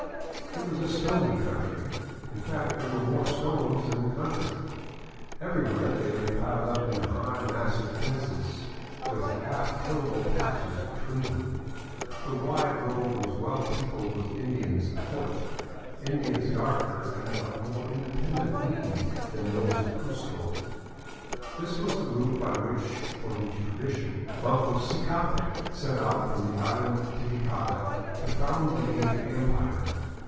It was a stony country, in fact there were more stones than country. Everywhere they lay piled up in high mas sive fences with half tillable patches between them. The wide road was well peopled with Indians afoot, Indians darker and of more inde pendent mien than those of Cuzco. This was the route by which, according to tradition, Manco Ccapac set out from the island of Titi caca to found the Inca Empire.